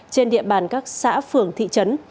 trên địa bàn các xã phường thị trấn